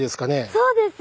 そうです！